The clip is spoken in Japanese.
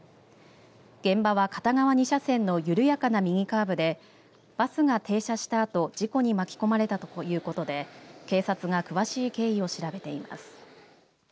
現場は片側２車線の緩やかな右カーブでバスが停車したあと事故に巻き込まれたということで警察が詳しい経緯を調べています。